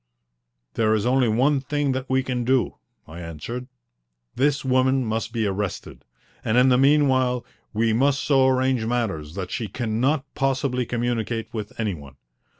"There is only one thing that we can do," I answered. "This woman must be arrested, and in the meanwhile we must so arrange matters that she cannot possibly communicate with any one.